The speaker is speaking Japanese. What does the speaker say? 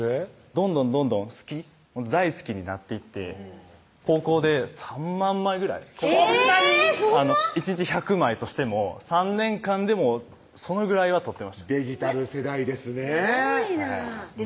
どんどんどんどん大好きになっていって高校で３万枚ぐらいそんなに⁉そんな⁉１日１００枚としても３年間でもうそのぐらいは撮ってましたデジタル世代ですねぇすごいなぁそんで？